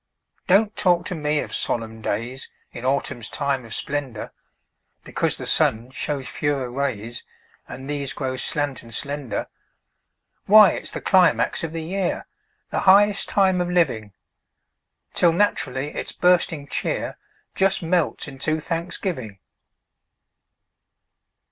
Don't talk to me of solemn days In autumn's time of splendor, Because the sun shows fewer rays, And these grow slant and slender. Why, it's the climax of the year, The highest time of living! Till naturally its bursting cheer Just melts into thanksgiving.